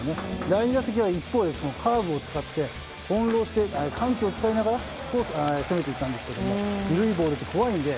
第２打席は一方でカーブを使って翻弄して、緩急を使いながら攻めていったんですけども緩いボールって怖いので。